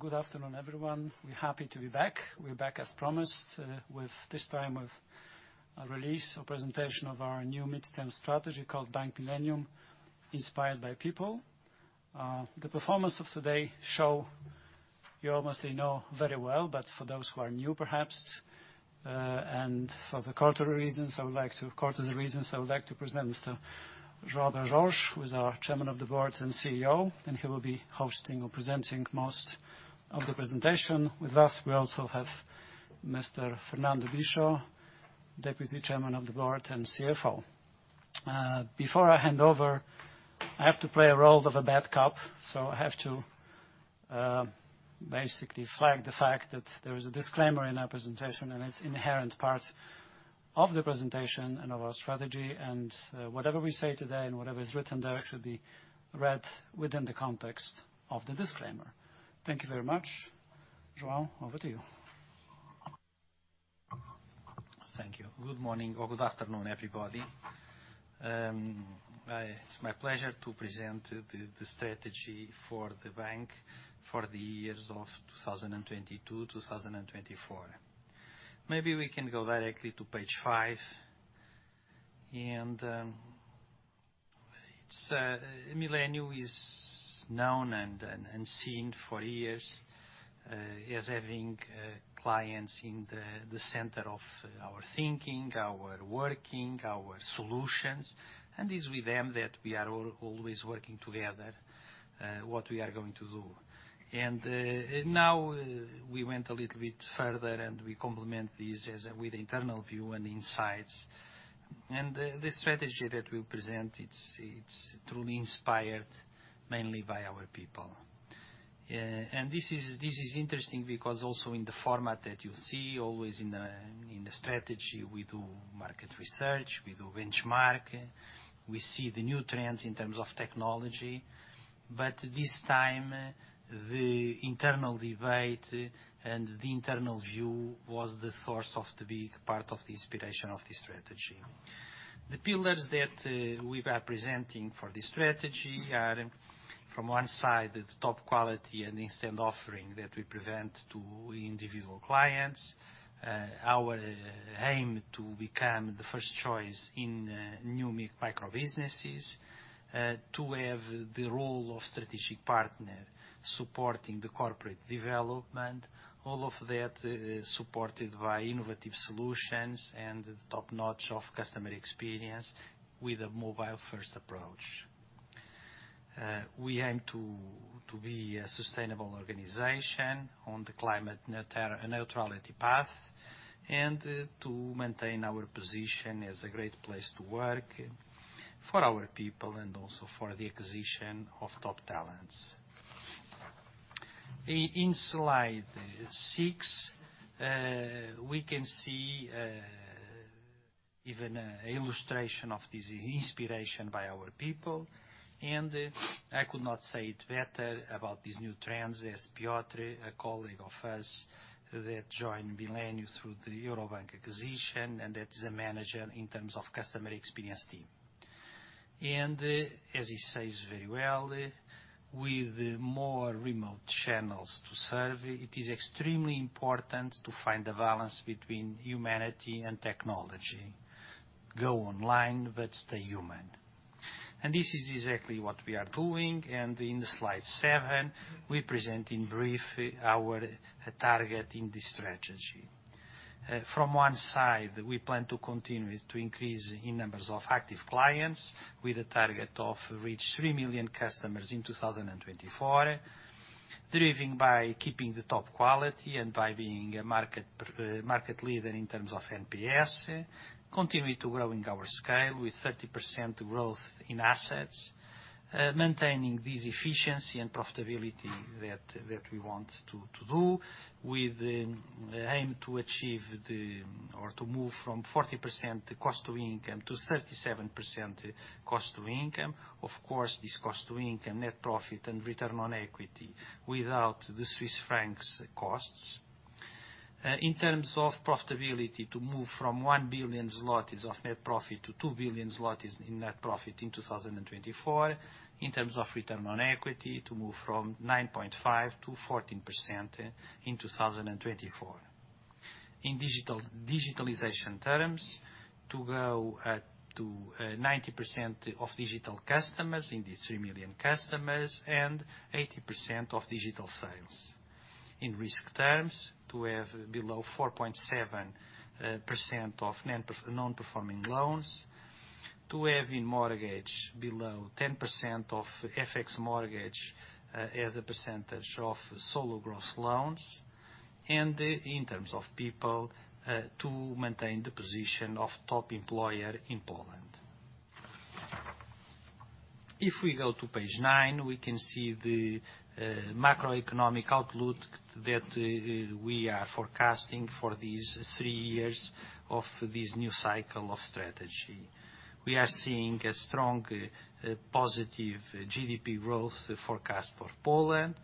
Good afternoon, everyone. We're happy to be back. We're back as promised, with the release or presentation of our new midterm strategy called Millennium 2024 Inspired by People. Our performance today, you know very well, but for those who are new perhaps, and for cultural reasons, I would like to present Mr. João Brás Jorge, who is our Chairman of the Management Board and CEO, and he will be hosting or presenting most of the presentation. With us, we also have Mr. Fernando Bicho, Deputy Chairman of the Management Board and CFO. Before I hand over, I have to play a role of a bad cop, so I have to basically flag the fact that there is a disclaimer in our presentation, and it's inherent part of the presentation and of our strategy. Whatever we say today and whatever is written there should be read within the context of the disclaimer. Thank you very much. João, over to you. Thank you. Good morning or good afternoon, everybody. It's my pleasure to present the strategy for the bank for the years of 2022, 2024. Maybe we can go directly to page five. Millennium is known and seen for years as having clients in the center of our thinking, our working, our solutions, and is with them that we are always working together what we are going to do. Now we went a little bit further, and we complement this as with internal view and insights. The strategy that we present, it's truly inspired mainly by our people. This is interesting because also in the format that you see always in the strategy, we do market research, we do benchmark, we see the new trends in terms of technology. This time, the internal debate and the internal view was the source of the big part of the inspiration of the strategy. The pillars that we are presenting for this strategy are from one side, the top quality and instant offering that we present to individual clients. Our aim to become the first choice in new micro businesses, to have the role of strategic partner supporting the corporate development. All of that supported by innovative solutions and top-notch of customer experience with a mobile-first approach. We aim to be a sustainable organization on the climate neutrality path and to maintain our position as a great place to work for our people and also for the acquisition of top talents. In slide 6, we can see even an illustration of this inspiration by our people. I could not say it better about these new trends as Piotr, a colleague of us that joined Millennium through the Euro Bank acquisition and that is a manager in terms of customer experience team. As he says very well, with more remote channels to serve, it is extremely important to find the balance between humanity and technology. Go online, but stay human. This is exactly what we are doing. In slide 7, we present in brief our target in this strategy. From one side, we plan to continue to increase in numbers of active clients with a target to reach 3 million customers in 2024, driven by keeping the top quality and by being a market leader in terms of NPS, continue to growing our scale with 30% growth in assets, maintaining this efficiency and profitability that we want to do. With aim to achieve or to move from 40% cost to income to 37% cost to income. Of course, this cost to income, net profit, and return on equity without the Swiss francs costs. In terms of profitability, to move from 1 billion zlotys of net profit to 2 billion zlotys in net profit in 2024. In terms of return on equity, to move from 9.5% to 14% in 2024. In digitalization terms, to go to 90% of digital customers in these 3 million customers and 80% of digital sales. In risk terms, to have below 4.7% of non-performing loans, to have in mortgage below 10% of FX mortgage as a percentage of total gross loans. In terms of people, to maintain the position of top employer in Poland. If we go to page 9, we can see the macroeconomic outlook that we are forecasting for these three years of this new cycle of strategy. We are seeing a strong positive GDP growth forecast for Poland,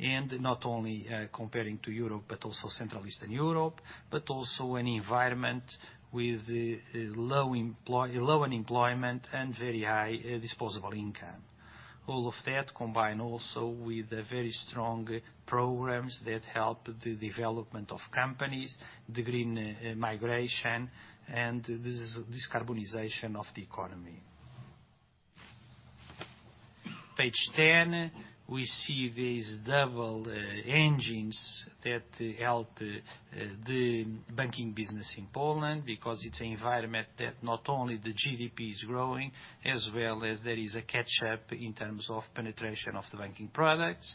and not only comparing to Europe, but also Central Eastern Europe, but also an environment with low unemployment and very high disposable income. All of that combine also with the very strong programs that help the development of companies, the green migration and this decarbonization of the economy. Page 10, we see these double engines that help the banking business in Poland because it's environment that not only the GDP is growing, as well as there is a catch-up in terms of penetration of the banking products.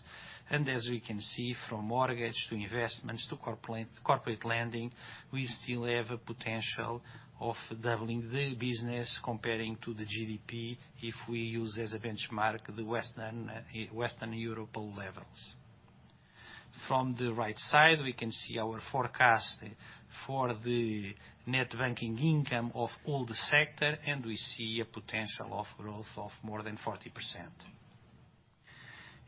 As we can see from mortgage to investments to corporate lending, we still have a potential of doubling the business comparing to the GDP if we use as a benchmark the western Europe levels. From the right side, we can see our forecast for the net banking income of all the sector, and we see a potential of growth of more than 40%.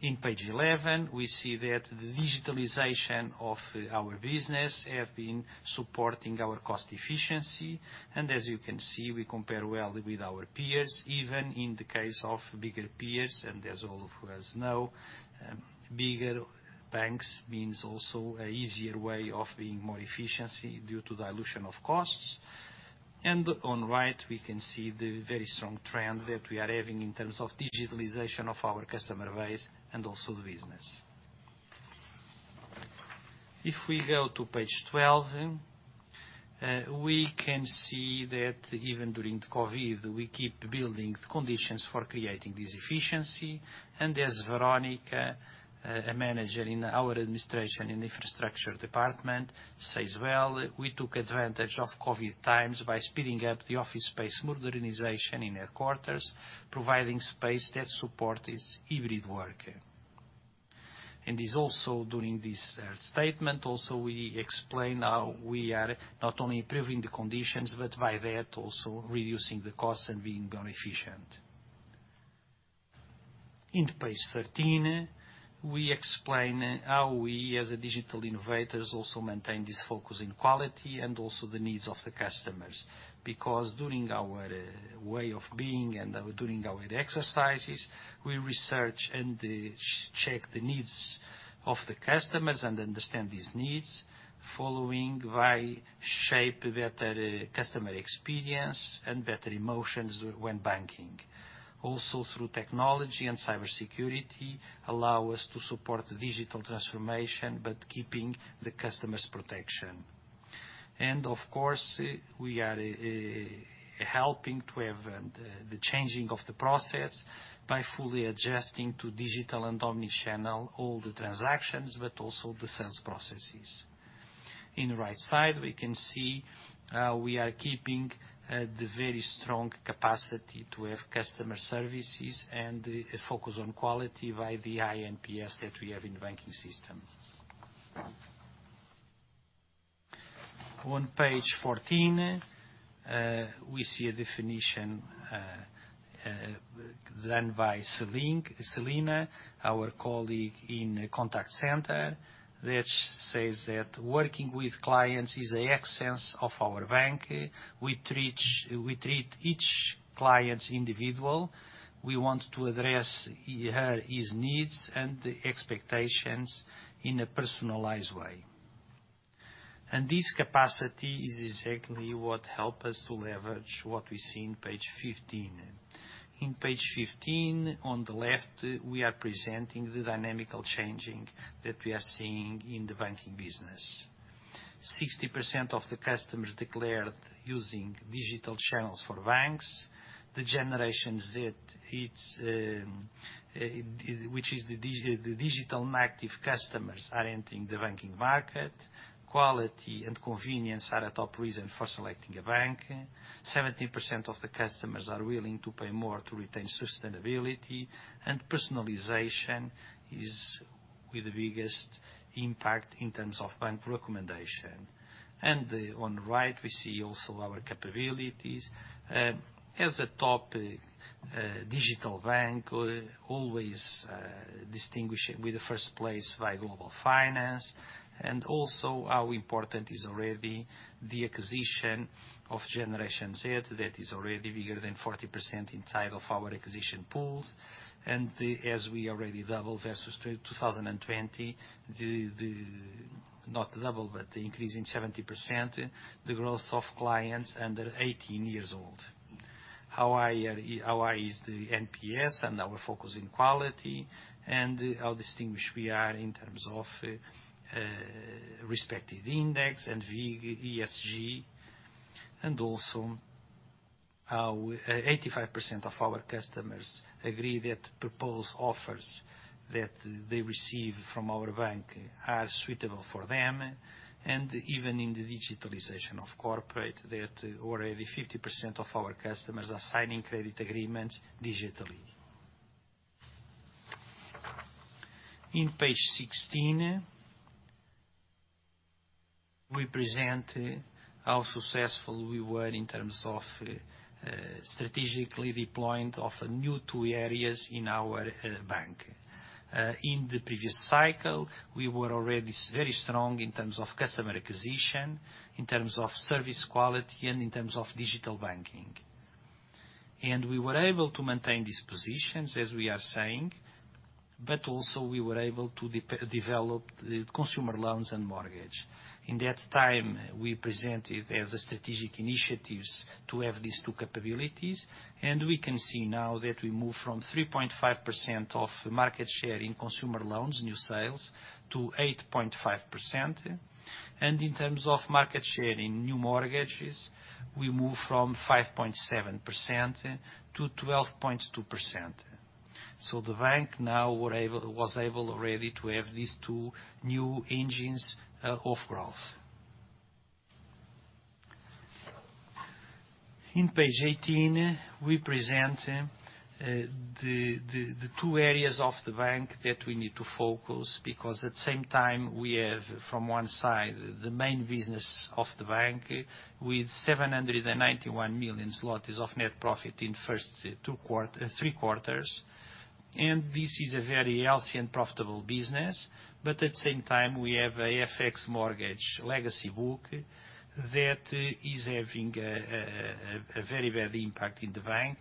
On page 11, we see that the digitalization of our business have been supporting our cost efficiency. As you can see, we compare well with our peers, even in the case of bigger peers. As all of us know, bigger banks means also an easier way of being more efficiency due to dilution of costs. On the right, we can see the very strong trend that we are having in terms of digitalization of our customer base and also the business. If we go to page 12, we can see that even during the COVID, we keep building conditions for creating this efficiency. As Weronika, a Manager in our Administration and Infrastructure Department, says, "Well, we took advantage of COVID times by speeding up the office space modernization in headquarters, providing space that support this hybrid work." It is also during this statement we explain how we are not only improving the conditions, but by that, also reducing the costs and being more efficient. On page 13, we explain how we, as digital innovators, also maintain this focus on quality and also the needs of the customers. Because during our way of being and during our exercises, we research and check the needs of the customers and understand these needs, following why shape better customer experience and better emotions when banking. Also through technology and cybersecurity allow us to support the digital transformation, but keeping the customer's protection. Of course, we are helping to have the changing of the process by fully adjusting to digital and omni-channel all the transactions, but also the sales processes. On the right side, we can see how we are keeping the very strong capacity to have customer services and the focus on quality by the high NPS that we have in the banking system. On page 14, we see a definition done by Celina, our colleague in contact center, that says that, "Working with clients is the essence of our bank. We treat each client individually. We want to address her, his needs and expectations in a personalized way." This capacity is exactly what help us to leverage what we see in page 15. On page 15, on the left, we are presenting the dynamic changes that we are seeing in the banking business. 60% of the customers declared using digital channels for banks. Generation Z, which is the digital native customers, are entering the banking market. Quality and convenience are a top reason for selecting a bank. 70% of the customers are willing to pay more to retain sustainability, and personalization is with the biggest impact in terms of bank recommendation. On the right, we see also our capabilities. As a top digital bank, always distinguishing with first place by Global Finance, and also how important is already the acquisition of Generation Z that is already bigger than 40% inside of our acquisition pools. As we already doubled versus 2020, the Not double, but the increase in 70%, the growth of clients under 18 years old. How high is the NPS and our focus in quality, and how distinguished we are in terms of respective index and ESG. Also how 85% of our customers agree that proposed offers that they receive from our bank are suitable for them. Even in the digitalization of corporate, that already 50% of our customers are signing credit agreements digitally. In page 16, we present how successful we were in terms of strategically deploying two new areas in the previous cycle, we were already very strong in terms of customer acquisition, in terms of service quality, and in terms of digital banking. We were able to maintain these positions as we are saying, but also we were able to develop the consumer loans and mortgage. In that time, we presented as a strategic initiatives to have these two capabilities, and we can see now that we move from 3.5% of market share in consumer loans, new sales, to 8.5%. In terms of market share in new mortgages, we move from 5.7% to 12.2%. The bank now was able already to have these two new engines of growth. On page 18, we present the two areas of the bank that we need to focus, because at the same time we have, from one side, the main business of the bank with 791 million zlotys of net profit in the first three quarters. This is a very healthy and profitable business. At the same time, we have a FX mortgage legacy book that is having a very bad impact in the bank.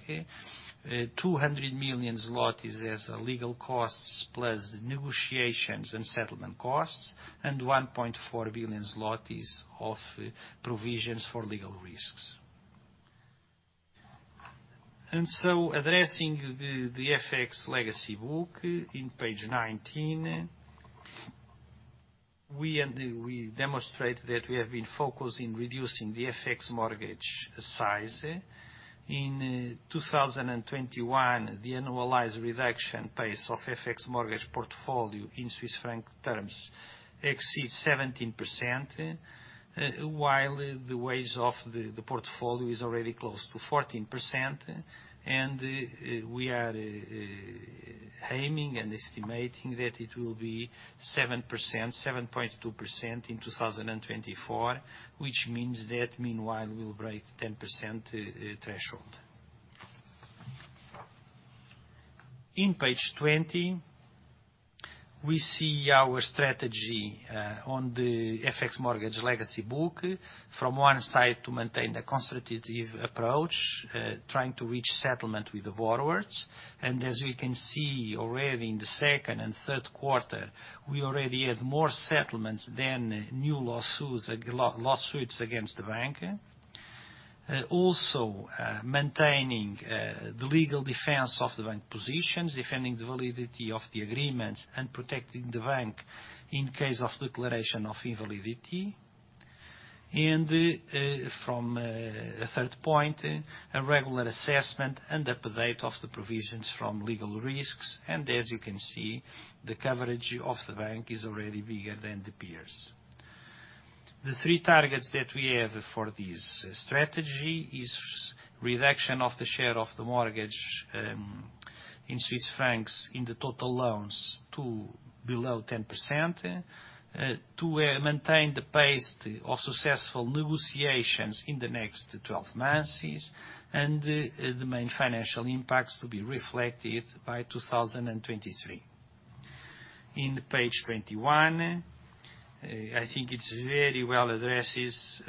200 million zlotys as legal costs plus negotiations and settlement costs, and 1.4 billion zlotys of provisions for legal risks. Addressing the FX legacy book, on page 19, we demonstrate that we have been focused in reducing the FX mortgage size. In 2021, the annualized reduction pace of FX mortgage portfolio in Swiss franc terms exceeds 17%, while the weight of the portfolio is already close to 14%. We are aiming and estimating that it will be 7%, 7.2% in 2024, which means that meanwhile, we'll break 10% threshold. In page 20, we see our strategy on the FX mortgage legacy book from one side to maintain the conservative approach, trying to reach settlement with the borrowers. As we can see already in the second and third quarter, we already had more settlements than new lawsuits against the bank. Also, maintaining the legal defense of the bank positions, defending the validity of the agreements, and protecting the bank in case of declaration of invalidity. From a third point, a regular assessment and update of the provisions from legal risks. As you can see, the coverage of the bank is already bigger than the peers. The three targets that we have for this strategy is reduction of the share of the mortgage in Swiss francs in the total loans to below 10%, to maintain the pace of successful negotiations in the next 12 months, and the main financial impacts to be reflected by 2023. On page 21, I think it very well addressed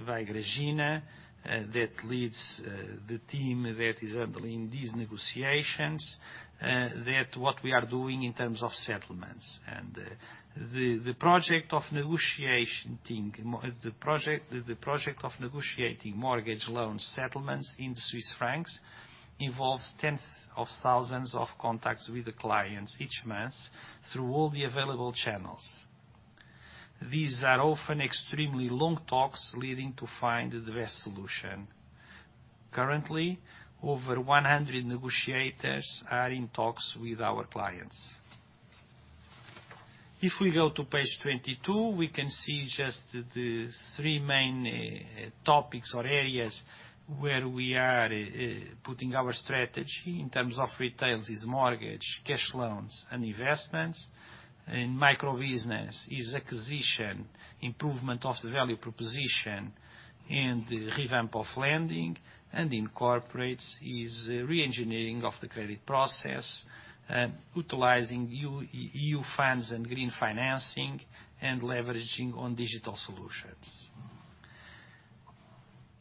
by Grażyna that leads the team that is handling these negotiations, that what we are doing in terms of settlements. The project of negotiating mortgage loan settlements into Swiss francs involves tens of thousands of contacts with the clients each month through all the available channels. These are often extremely long talks leading to find the best solution. Currently, over 100 negotiators are in talks with our clients. If we go to page 22, we can see just the three main topics or areas where we are putting our strategy. In terms of retail, is mortgage, cash loans, and investments. In microbusiness is acquisition, improvement of the value proposition, and revamp of lending. In corporates is reengineering of the credit process, utilizing EU funds and green financing and leveraging on digital solutions.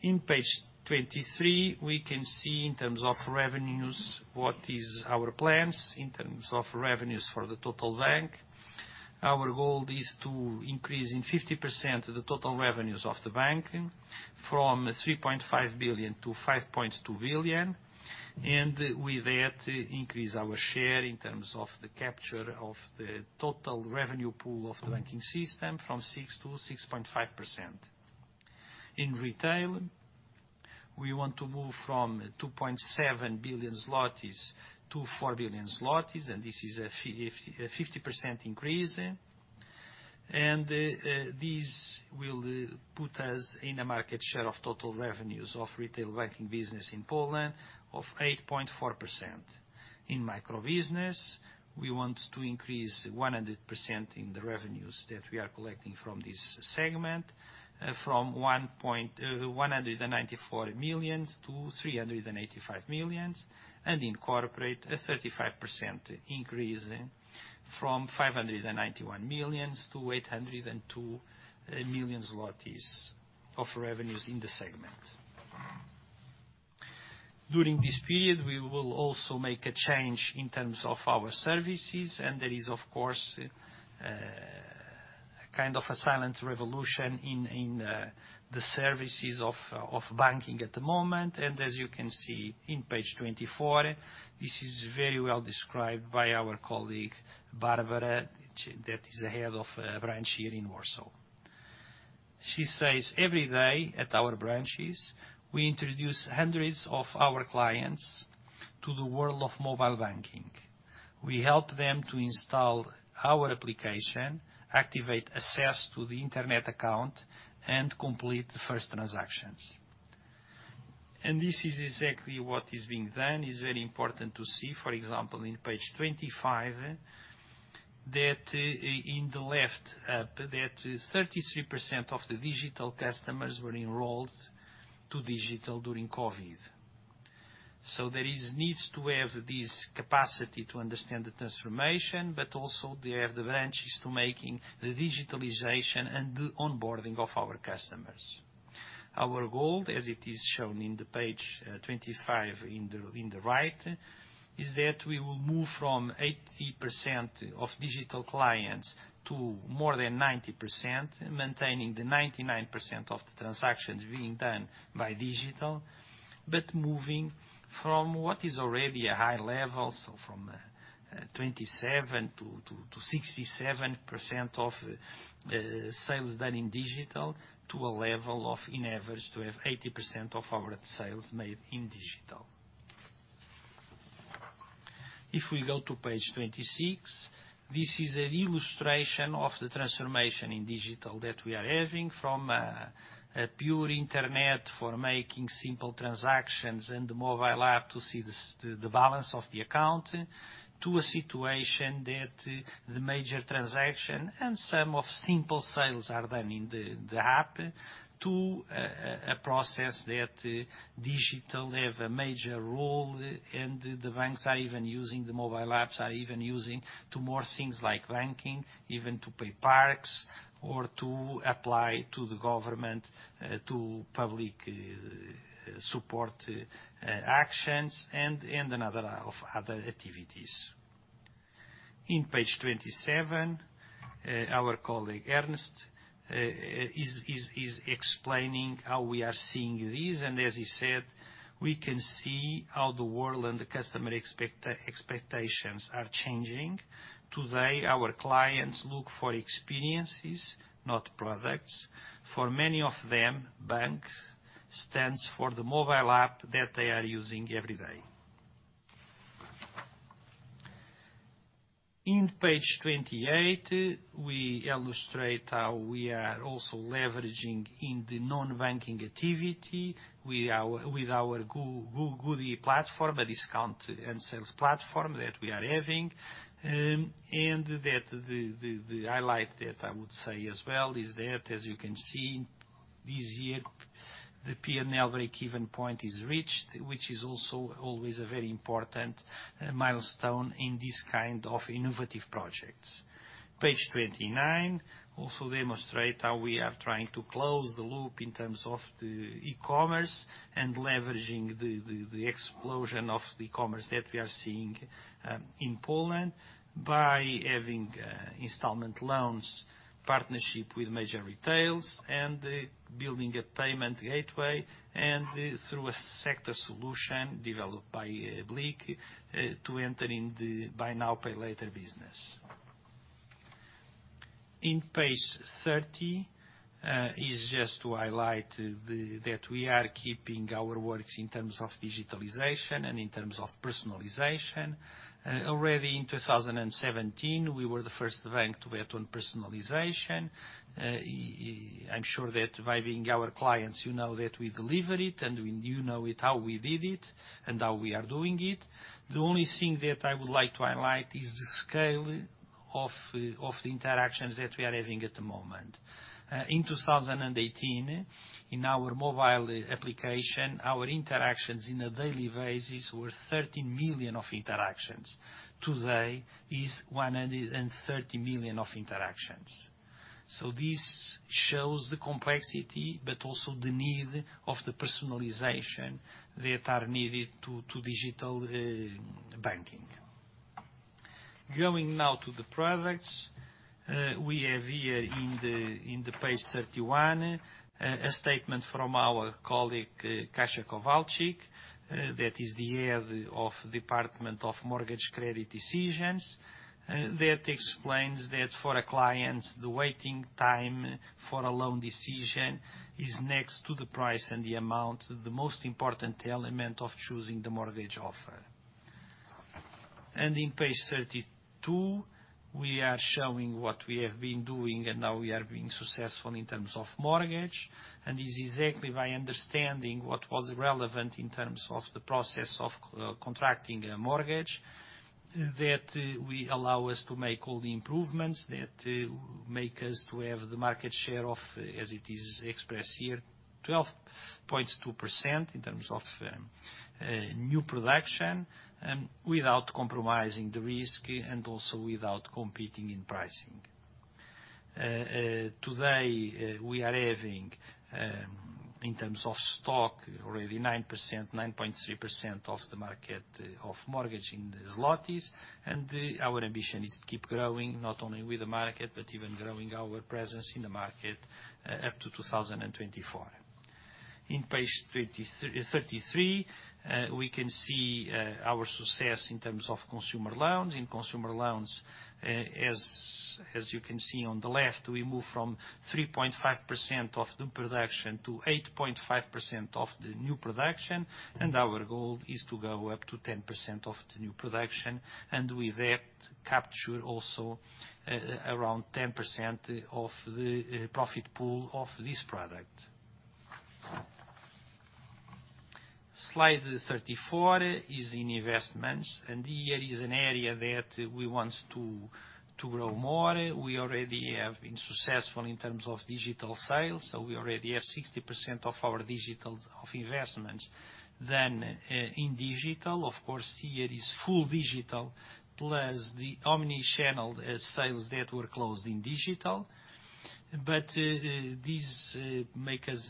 On page 23, we can see in terms of revenues what is our plans in terms of revenues for the total bank. Our goal is to increase in 50% the total revenues of the bank from 3.5 billion to 5.2 billion, and with that, increase our share in terms of the capture of the total revenue pool of the banking system from 6%-6.5%. In retail, we want to move from 2.7 billion zlotys to 4 billion zlotys, and this is a 50% increase. This will put us in a market share of total revenues of retail banking business in Poland of 8.4%. In microbusiness, we want to increase 100% in the revenues that we are collecting from this segment, from 194 million to 385 million, and incorporate a 35% increase from 591 million to 802 million of revenues in the segment. During this period, we will also make a change in terms of our services, and there is, of course, a kind of a silent revolution in the services of banking at the moment. As you can see in page 24, this is very well described by our colleague Barbara, that is the Head of Branch here in Warsaw. She says, "Every day at our branches, we introduce hundreds of our clients to the world of mobile banking. We help them to install our application, activate access to the internet account, and complete the first transactions." This is exactly what is being done. It's very important to see, for example, in page 25, that in the left, that 33% of the digital customers were enrolled to digital during COVID. There is needs to have this capacity to understand the transformation, but also they have the branches to making the digitalization and the onboarding of our customers. Our goal, as it is shown on page 25 on the right, is that we will move from 80% of digital clients to more than 90%, maintaining the 99% of the transactions being done by digital, but moving from what is already a high level, so from 27% to 67% of sales done in digital to a level of on average to have 80% of our sales made in digital. If we go to page 26, this is an illustration of the transformation in digital that we are having from a pure internet for making simple transactions and the mobile app to see the balance of the account to a situation that the major transaction and some of simple sales are done in the app to a process that digital have a major role, and the mobile apps are even using to more things like banking, even to pay parks or to apply to the government to public support actions and another of other activities. On page 27, our colleague Ernest is explaining how we are seeing this. As he said, we can see how the world and the customer expectations are changing. Today, our clients look for experiences, not products. For many of them, bank stands for the mobile app that they are using every day. In page 28, we illustrate how we are also leveraging in the non-banking activity with our goodie platform, a discount and sales platform that we are having. The highlight that I would say as well is that as you can see, this year, the P&L breakeven point is reached, which is also always a very important milestone in this kind of innovative projects. Page 29 also demonstrates how we are trying to close the loop in terms of the e-commerce and leveraging the explosion of the commerce that we are seeing in Poland by having installment loans, partnership with major retailers, and building a payment gateway and through a sector solution developed by BLIK to enter in the buy now, pay later business. On page 30 is just to highlight that we are keeping our work in terms of digitalization and in terms of personalization. Already in 2017, we were the first bank to bet on personalization. I'm sure that by being our clients, you know that we deliver it, and you know how we did it, and how we are doing it. The only thing that I would like to highlight is the scale of the interactions that we are having at the moment. In 2018, in our mobile application, our interactions on a daily basis were 13 million interactions. Today is 130 million interactions. This shows the complexity, but also the need of the personalization that are needed to digital banking. Going now to the products, we have here in the page 31, a statement from our colleague Kasia Kowalczyk, that is the Head of the Retail Credit Underwriting Department, that explains that for our clients, the waiting time for a loan decision is next to the price and the amount, the most important element of choosing the mortgage offer. On page 32, we are showing what we have been doing, and now we are being successful in terms of mortgage. It's exactly by understanding what was relevant in terms of the process of contracting a mortgage that we allow us to make all the improvements that make us to have the market share of, as it is expressed here, 12.2% in terms of new production without compromising the risk and also without competing in pricing. Today we are having in terms of stock already 9%, 9.3% of the market of mortgage in the PLNs. Our ambition is to keep growing, not only with the market, but even growing our presence in the market up to 2024. On page 33, we can see our success in terms of consumer loans. In consumer loans, as you can see on the left, we move from 3.5% of the production to 8.5% of the new production. Our goal is to go up to 10% of the new production. With that, capture also around 10% of the profit pool of this product. Slide 34 is in investments, and here is an area that we want to grow more. We already have been successful in terms of digital sales. We already have 60% of our digital investments. In digital, of course, here is full digital plus the omni-channel sales that were closed in digital. This make us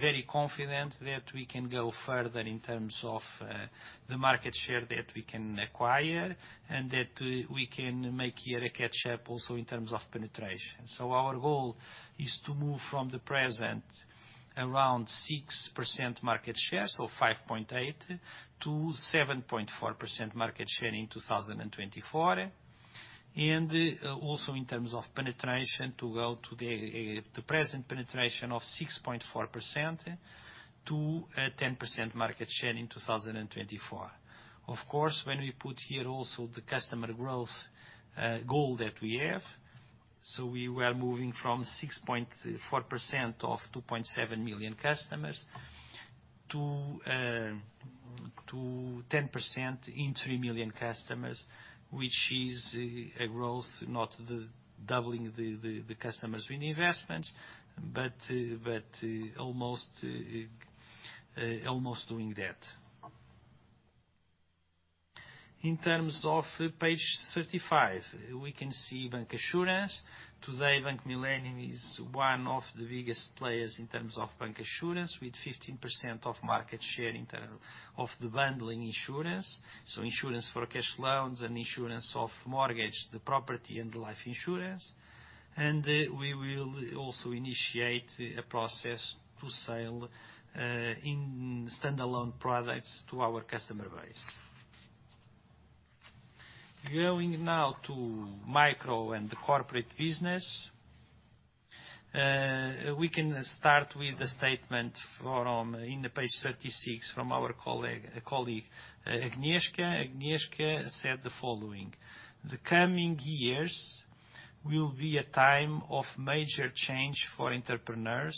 very confident that we can go further in terms of the market share that we can acquire, and that we can make here a catch-up also in terms of penetration. Our goal is to move from the present around 6% market share, so 5.8, to 7.4% market share in 2024. Also in terms of penetration to go to the present penetration of 6.4% to 10% market share in 2024. Of course, when we put here also the customer growth goal that we have, we were moving from 6.4% of 2.7 million customers to 10% in 3 million customers, which is a growth, not doubling the customers in investments, but almost doing that. In terms of page 35, we can see bancassurance. Today, Bank Millennium is one of the biggest players in terms of bancassurance, with 15% of market share in terms of the bundling insurance. Insurance for cash loans and insurance of mortgage, the property and life insurance. We will also initiate a process to sell standalone products to our customer base. Going now to micro and corporate business. We can start with a statement from, in page 36, from our colleague Agnieszka. Agnieszka said the following: "The coming years will be a time of major change for entrepreneurs,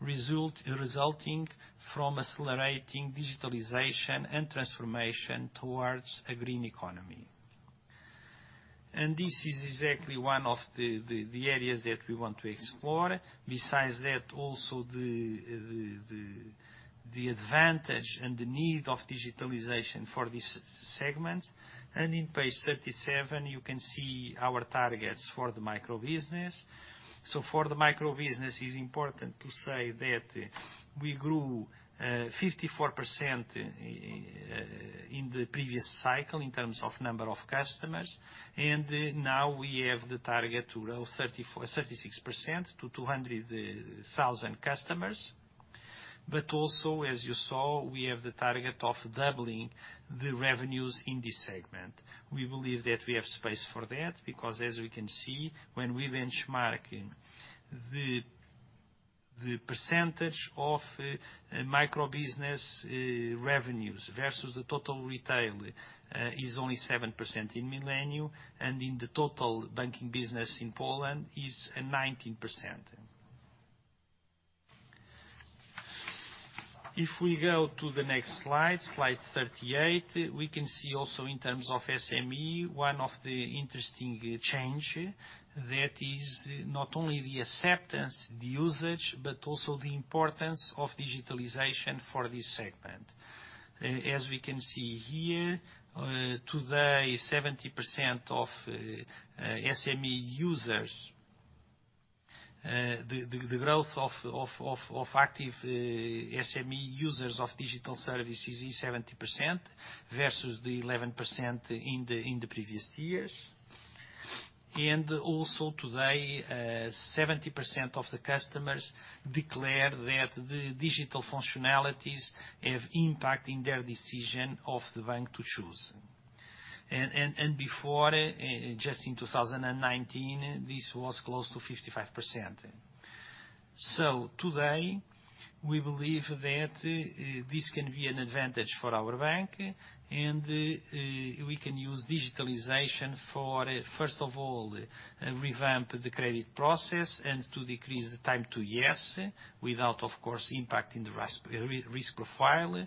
resulting from accelerating digitalization and transformation towards a green economy." This is exactly one of the areas that we want to explore. Besides that, also the advantage and the need of digitalization for these segments. In page 37, you can see our targets for the micro business. For the micro business, it's important to say that we grew 54% in the previous cycle, in terms of number of customers. Now we have the target to grow 36% to 200,000 customers. Also, as you saw, we have the target of doubling the revenues in this segment. We believe that we have space for that, because as we can see, when we benchmark the percentage of micro business revenues versus the total retail is only 7% in Millennium, and in the total banking business in Poland is 19%. If we go to the next slide 38, we can see also in terms of SME, one of the interesting change that is not only the acceptance, the usage, but also the importance of digitalization for this segment. As we can see here, today, 70% of SME users, the growth of active SME users of digital services is 70% versus the 11% in the previous years. Also today, 70% of the customers declare that the digital functionalities have impact in their decision of the bank to choose. Before, just in 2019, this was close to 55%. Today, we believe that this can be an advantage for our bank. We can use digitalization for, first of all, revamp the credit process and to decrease the time to yes, without of course, impacting the risk profile.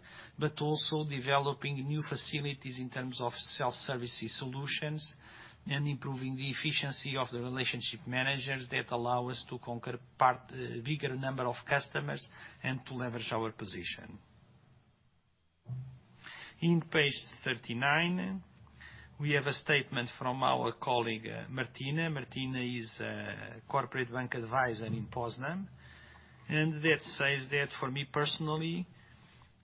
Also developing new facilities in terms of self-service solutions and improving the efficiency of the relationship managers that allow us to conquer a bigger number of customers and to leverage our position. On page 39, we have a statement from our colleague, Martyna. Martyna is a corporate bank advisor in Poznań, and that says that, "For me personally,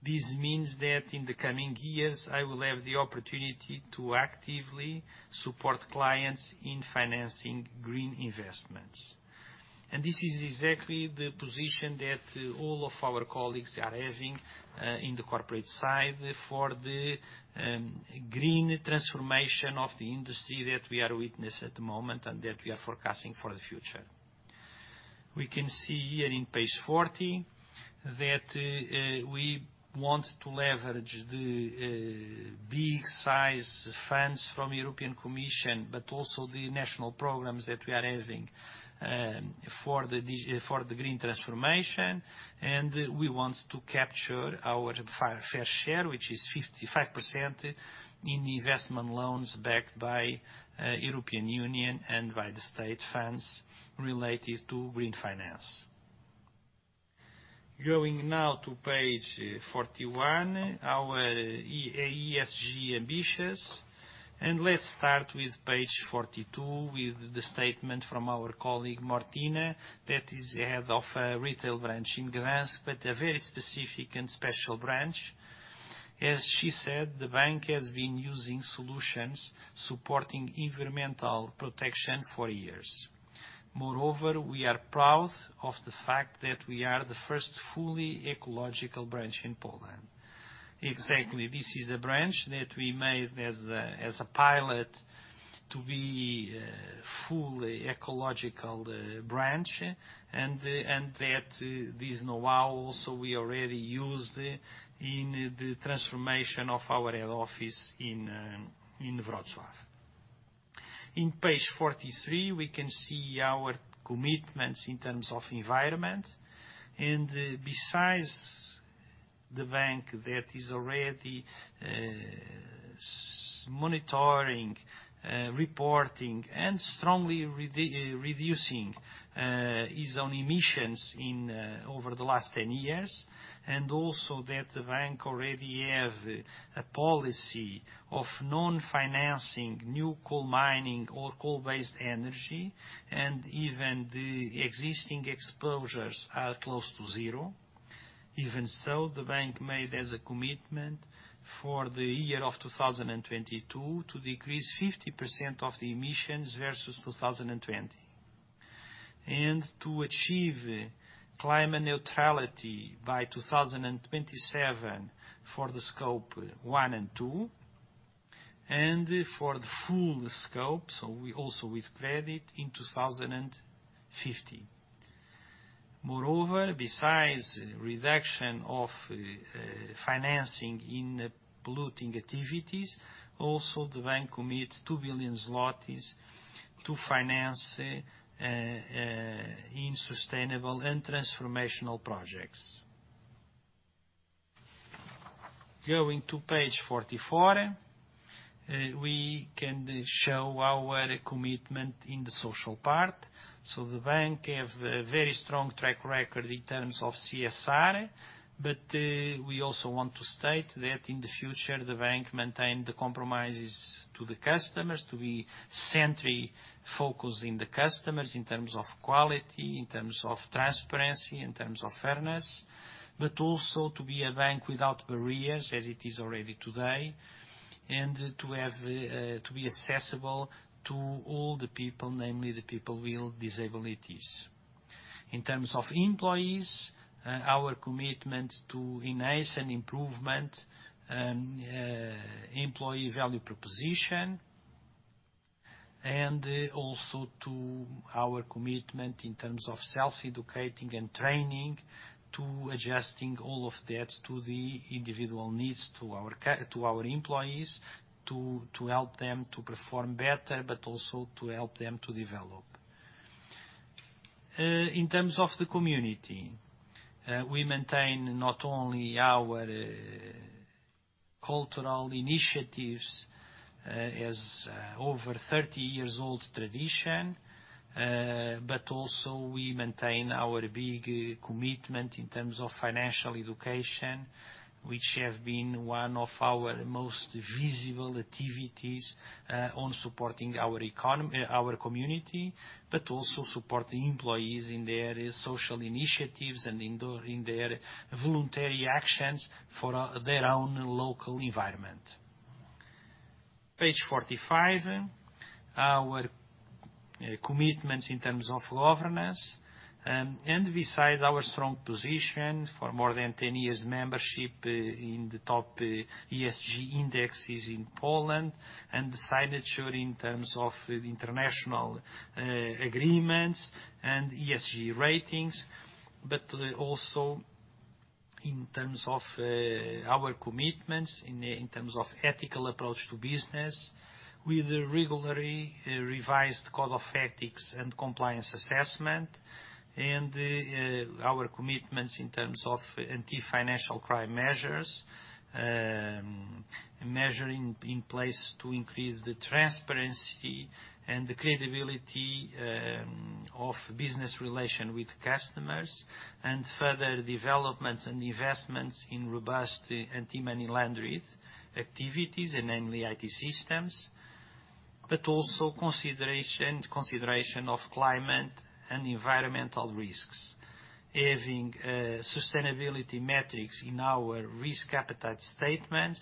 this means that in the coming years, I will have the opportunity to actively support clients in financing green investments." This is exactly the position that all of our colleagues are having in the corporate side for the green transformation of the industry that we are witness at the moment, and that we are forecasting for the future. We can see here in page 40 that we want to leverage the big size funds from European Commission, but also the national programs that we are having for the green transformation, and we want to capture our fair share, which is 55% in investment loans backed by European Union and by the state funds related to green finance. Going now to page 41, our ESG ambitions. Let's start with page 42, with the statement from our colleague, Martyna, that is head of a retail branch in Gdańsk, but a very specific and special branch. As she said, "The bank has been using solutions supporting environmental protection for years. Moreover, we are proud of the fact that we are the first fully ecological branch in Poland." Exactly, this is a branch that we made as a pilot to be fully ecological branch, and that this know-how also we already used in the transformation of our head office in Wroclaw. In page 43, we can see our commitments in terms of environment. Besides the bank that is already monitoring reporting and strongly reducing its own emissions over the last 10 years, and also that the bank already have a policy of non-financing new coal mining or coal-based energy, and even the existing exposures are close to zero. Even so, the bank made as a commitment for the year of 2022 to decrease 50% of the emissions versus 2020. To achieve climate neutrality by 2027 for the Scope 1 and 2, and for the full scope, so we also with credit, in 2050. Moreover, besides reduction of financing in polluting activities, also the bank commits 2 billion zlotys to finance in sustainable and transformational projects. Going to page 44, we can show our commitment in the social part. The bank have a very strong track record in terms of CSR, but we also want to state that in the future, the bank maintain the commitments to the customers to be customer focused on the customers in terms of quality, in terms of transparency, in terms of fairness, but also to be a bank without barriers as it is already today, and to be accessible to all the people, namely the people with disabilities. In terms of employees, our commitment to enhance and improve employee value proposition, and also our commitment in terms of self-education and training and adjusting all of that to the individual needs to our employees to help them to perform better, but also to help them to develop. In terms of the community, we maintain not only our cultural initiatives, as over 30 years old tradition, but also we maintain our big commitment in terms of financial education, which have been one of our most visible activities, on supporting our community, but also support the employees in their social initiatives and in their voluntary actions for their own local environment. Page 45, our commitments in terms of governance, and besides our strong position for more than 10 years membership in the top ESG indexes in Poland and the signature in terms of international agreements and ESG ratings, but also in terms of our commitments in terms of ethical approach to business with a regularly revised code of ethics and compliance assessment, and our commitments in terms of anti-financial crime measures in place to increase the transparency and the credibility of business relation with customers, and further developments and investments in robust anti-money laundering activities, and namely IT systems. But also consideration of climate and environmental risks, having sustainability metrics in our risk appetite statements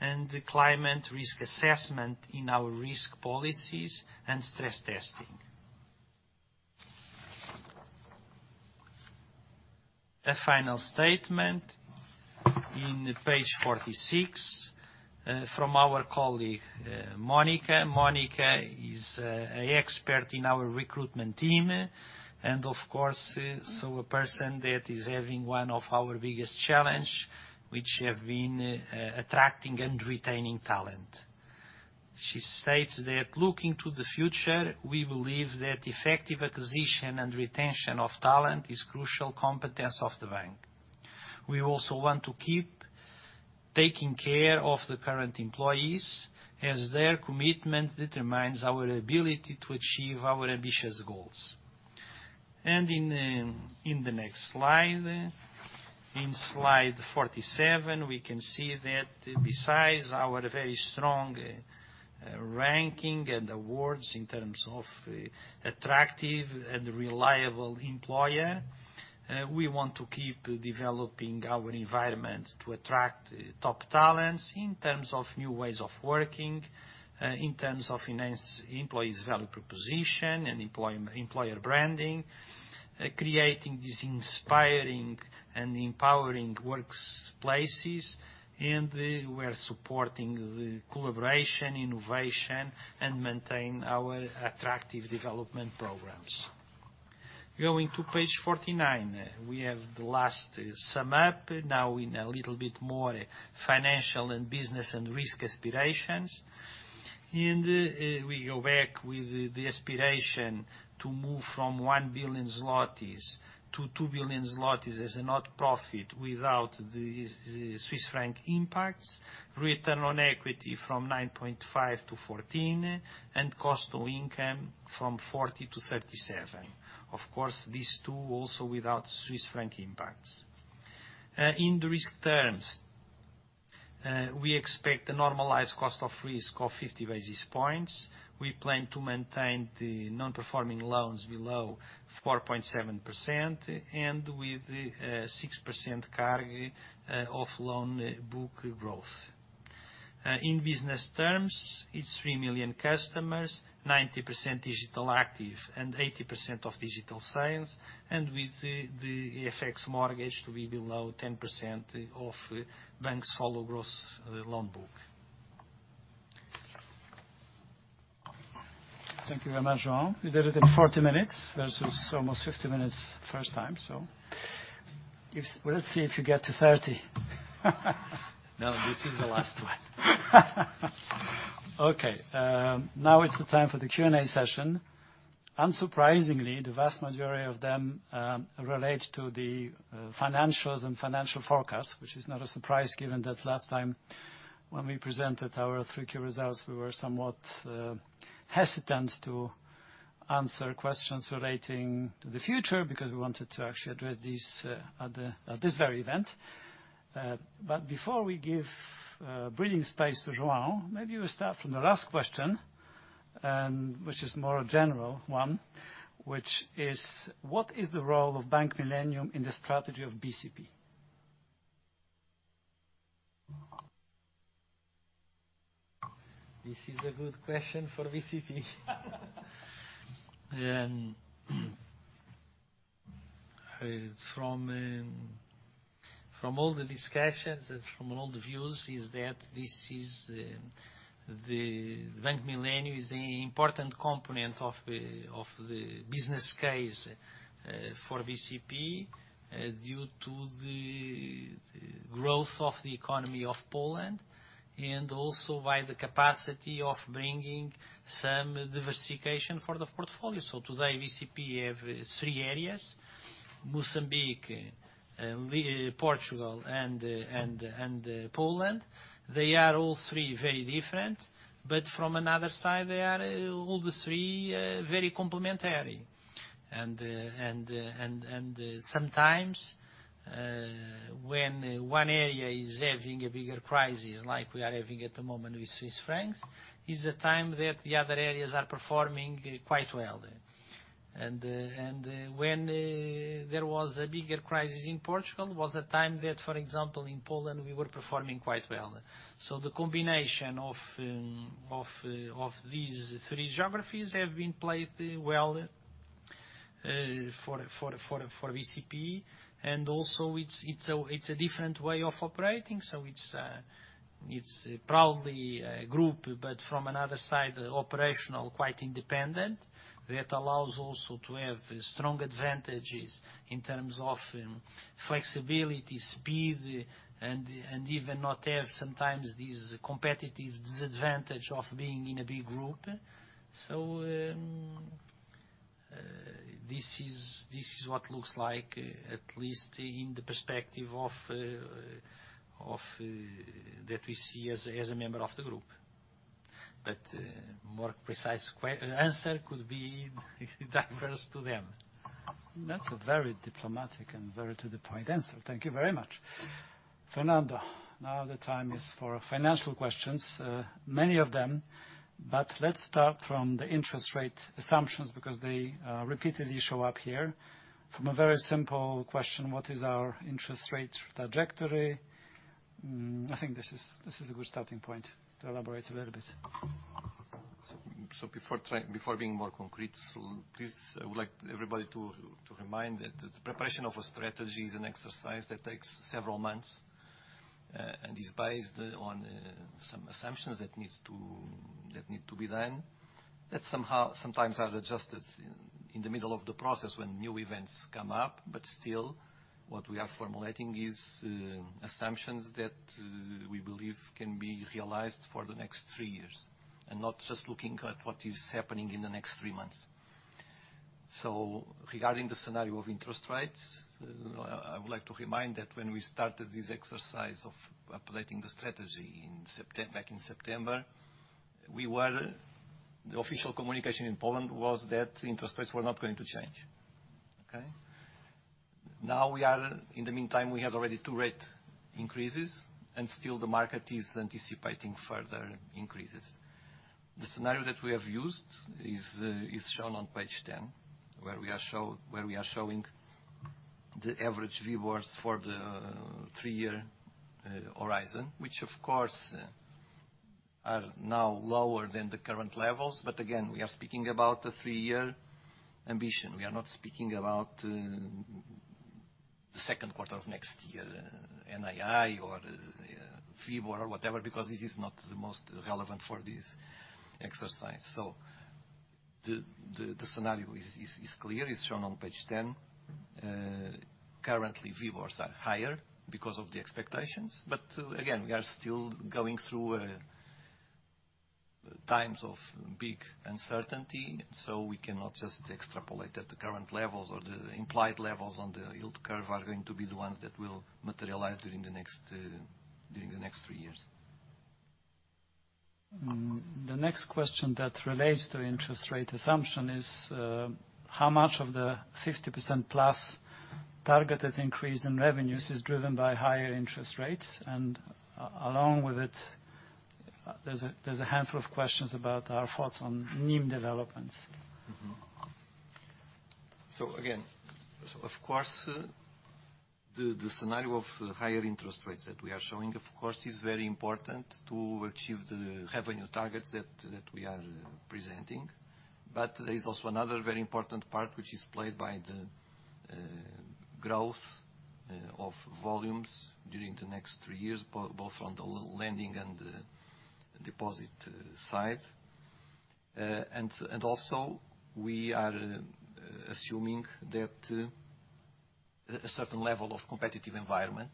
and the climate risk assessment in our risk policies and stress testing. A final statement in page 46 from our colleague, Monika. Monika is an expert in our recruitment team, and of course a person that is having one of our biggest challenge, which have been attracting and retaining talent. She states that, "Looking to the future, we believe that effective acquisition and retention of talent is crucial competence of the bank. We also want to keep taking care of the current employees, as their commitment determines our ability to achieve our ambitious goals." In the next slide, in slide 47, we can see that besides our very strong ranking and awards in terms of attractive and reliable employer, we want to keep developing our environment to attract top talents in terms of new ways of working, in terms of enhancing employees' value proposition and employer branding, creating these inspiring and empowering workplaces. We are supporting the collaboration, innovation, and maintain our attractive development programs. Going to page 49, we have the last sum up, now in a little bit more financial and business and risk aspirations. We go back with the aspiration to move from 1 billion zlotys to 2 billion zlotys as a net profit without the Swiss franc impacts, return on equity from 9.5% to 14%, and cost to income from 40% to 37%. Of course, these two also without Swiss franc impacts. In the risk terms, we expect a normalized cost of risk of 50 basis points. We plan to maintain the non-performing loans below 4.7% and with 6% CAGR of loan book growth. In business terms, it's 3 million customers, 90% digital active and 80% of digital sales, and with the FX mortgage to be below 10% of bank solo gross loan book. Thank you very much, João. You did it in 40 minutes versus almost 50 minutes first time. Let's see if you get to 30. No, this is the last one. Okay. Now is the time for the Q&A session. Unsurprisingly, the vast majority of them relate to the financials and financial forecast, which is not a surprise given that last time when we presented our three-quarter results, we were somewhat hesitant to answer questions relating to the future because we wanted to actually address these at this very event. Before we give breathing space to João, maybe we start from the last question and which is more a general one, which is: What is the role of Bank Millennium in the strategy of BCP? This is a good question for BCP. From all the discussions and from all the views is that this is the Bank Millennium is an important component of the business case for BCP due to the growth of the economy of Poland and also by the capacity of bringing some diversification for the portfolio. Today, BCP have three areas, Mozambique, Portugal, and Poland. They are all three very different, but from another side, they are all three very complementary. Sometimes, when one area is having a bigger crisis, like we are having at the moment with Swiss francs, is a time that the other areas are performing quite well. When there was a bigger crisis in Portugal, there was a time that, for example, in Poland, we were performing quite well. The combination of these three geographies have been played well for BCP. Also it's a different way of operating, it's probably a group, but from another side, operationally quite independent. That allows also to have strong advantages in terms of flexibility, speed, and even not have sometimes these competitive disadvantage of being in a big group. This is what looks like at least in the perspective of that we see as a member of the group. More precise answer could be diverted to them. That's a very diplomatic and very to the point answer. Thank you very much. Fernando, now the time is for financial questions, many of them. But let's start from the interest rate assumptions because they repeatedly show up here. From a very simple question, what is our interest rate trajectory? I think this is a good starting point to elaborate a little bit. Before being more concrete, please, I would like to remind everybody that the preparation of a strategy is an exercise that takes several months and is based on some assumptions that need to be done. That somehow sometimes are adjusted in the middle of the process when new events come up. Still, what we are formulating is assumptions that we believe can be realized for the next three years, and not just looking at what is happening in the next three months. Regarding the scenario of interest rates, I would like to remind that when we started this exercise of updating the strategy back in September, the official communication in Poland was that interest rates were not going to change. Okay. In the meantime, we have already two rate increases, and still the market is anticipating further increases. The scenario that we have used is shown on page 10, where we are showing the average WIBOR for the three-year horizon, which of course are now lower than the current levels. But again, we are speaking about the three-year ambition. We are not speaking about the second quarter of next year, NII or WIBOR or whatever, because this is not the most relevant for this exercise. The scenario is clear, is shown on page 10. Currently WIBORs are higher because of the expectations. Again, we are still going through times of big uncertainty, so we cannot just extrapolate that the current levels or the implied levels on the yield curve are going to be the ones that will materialize during the next three years. The next question that relates to interest rate assumption is, how much of the 50% plus targeted increase in revenues is driven by higher interest rates? Along with it, there's a handful of questions about our thoughts on NIM developments. Of course, the scenario of higher interest rates that we are showing, of course, is very important to achieve the revenue targets that we are presenting. There is also another very important part which is played by the growth of volumes during the next three years, both on the lending and deposit side. We are also assuming a certain level of competitive environment,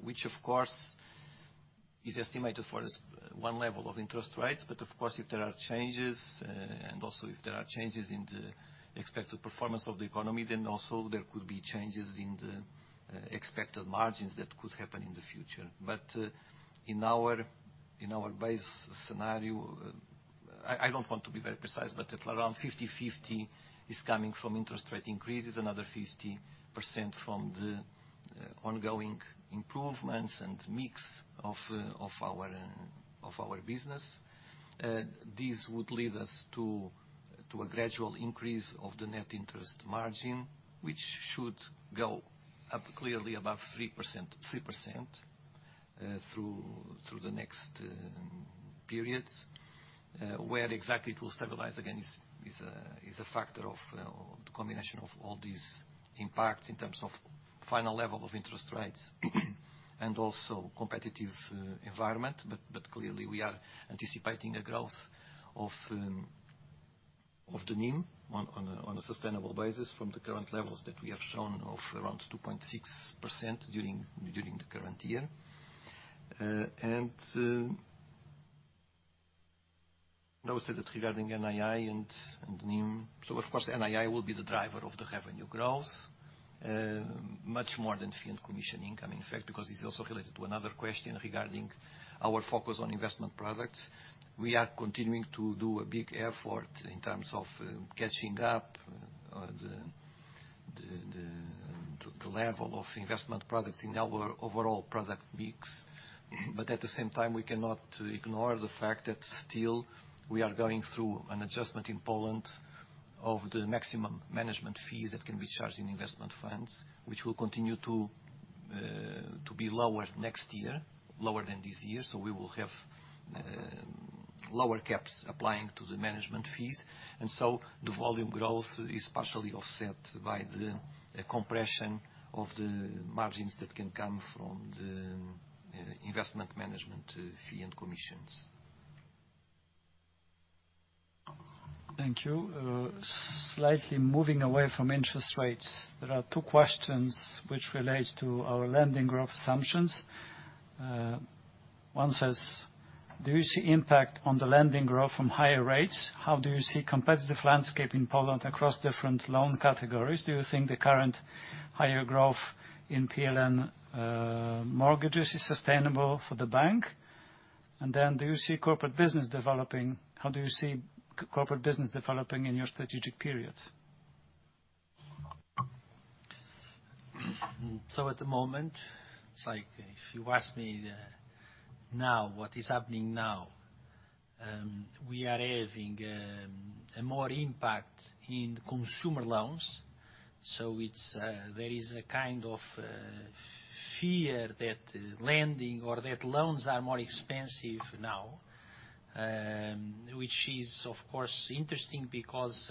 which of course is estimated for this one level of interest rates. Of course, if there are changes and also if there are changes in the expected performance of the economy, then there could be changes in the expected margins that could happen in the future. In our base scenario, I don't want to be very precise, but around 50/50 is coming from interest rate increases, another 50% from the ongoing improvements and mix of our business. This would lead us to a gradual increase of the net interest margin, which should go up clearly above 3% through the next periods. Where exactly it will stabilize again is a factor of the combination of all these impacts in terms of final level of interest rates and also competitive environment. Clearly, we are anticipating a growth of the NIM on a sustainable basis from the current levels that we have shown of around 2.6% during the current year. Now I said that regarding NII and NIM. Of course, NII will be the driver of the revenue growth, much more than fee and commission income. In fact, because it's also related to another question regarding our focus on investment products. We are continuing to do a big effort in terms of catching up on the level of investment products in our overall product mix. At the same time, we cannot ignore the fact that still we are going through an adjustment in Poland of the maximum management fees that can be charged in investment funds, which will continue to be lower next year, lower than this year. We will have lower caps applying to the management fees, and so the volume growth is partially offset by the compression of the margins that can come from the investment management fee and commissions. Thank you. Slightly moving away from interest rates, there are two questions which relates to our lending growth assumptions. One says, "Do you see impact on the lending growth from higher rates? How do you see competitive landscape in Poland across different loan categories? Do you think the current higher growth in PLN mortgages is sustainable for the bank?" Do you see corporate business developing? How do you see corporate business developing in your strategic period? At the moment, it's like if you ask me now what is happening now, we are having a more impact in consumer loans. There is a kind of fear that lending or that loans are more expensive now, which is, of course, interesting because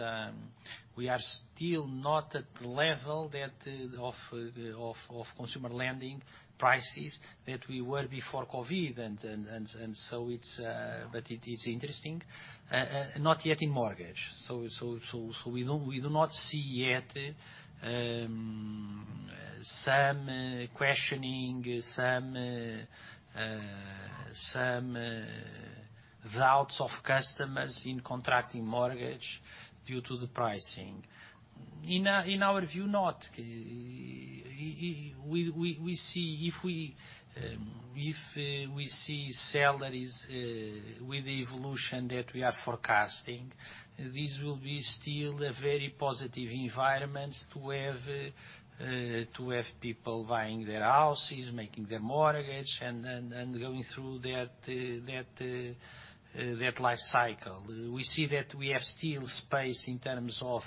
we are still not at the level of consumer lending prices that we were before COVID. But it is interesting not yet in mortgage. We do not see yet some questioning, some doubts of customers in contracting mortgage due to the pricing. In our view, not. We see salaries with the evolution that we are forecasting, this will be still a very positive environment to have people buying their houses, making their mortgage, and going through that life cycle. We see that we have still space in terms of